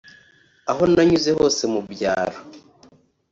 Aho nanyuze hose mu byaro